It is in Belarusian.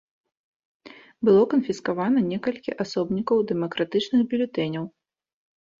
Было канфіскавана некалькі асобнікаў дэмакратычных бюлетэняў.